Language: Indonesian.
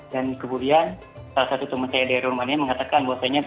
dan kemudian salah satu teman saya dari rumania mengatakan bahwasanya